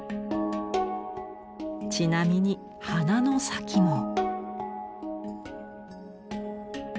ちなみに鼻の先も。